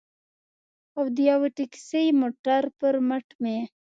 او د یوه ټکسي موټر پر مټ مې.